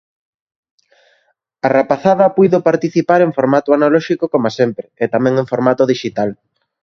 A rapazada puido participar en formato analóxico coma sempre e tamén en formato dixital.